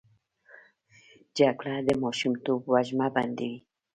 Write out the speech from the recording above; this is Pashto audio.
جګړه د ماشومتوب وږمه بندوي